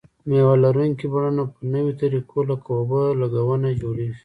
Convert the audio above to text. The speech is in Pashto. مېوه لرونکي بڼونه په نویو طریقو لکه اوبه لګونه جوړیږي.